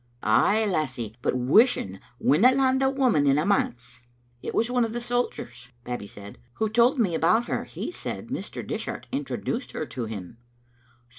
Ay, lassie, but wishing winna land a woman in a manse." " It was one of the soldiers," Babbie said, " who told me about her. He said Mr. Dishart introduced her to him.